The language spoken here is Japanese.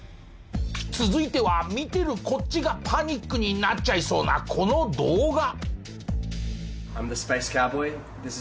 続いては見てるこっちがパニックになっちゃいそうなこの動画。